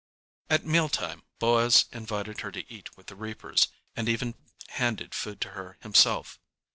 At meal time Boaz invited her to eat with the reapers, and even handed food to her himself.